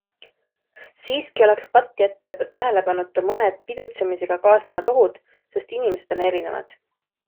Siiski oleks patt jätta tähelepanuta mõned pidutsemisega kaasnevad ohud, sest inimesed on erinevad.